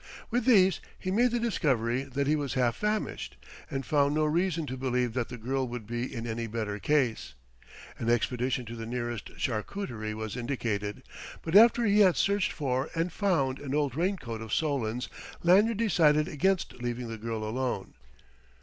With these he made the discovery that he was half famished, and found no reason to believe that the girl would be in any better case. An expedition to the nearest charcuterie was indicated; but after he had searched for and found an old raincoat of Solon's, Lanyard decided against leaving the girl alone.